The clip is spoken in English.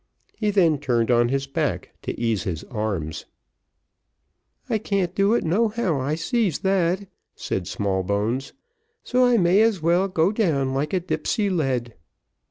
He then turned on his back, to ease his arms. "I can't do it no how, I sees that," said Smallbones, "so I may just as well go down like a dipsey lead."